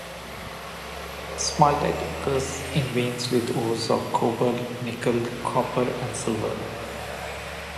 Smaltite occurs in veins with ores of cobalt, nickel, copper and silver.